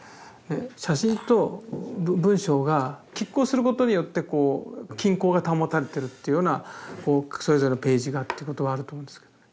写真と文章が拮抗することによってこう均衡が保たれてるっていうようなそれぞれのページがっていうことはあると思うんですけど。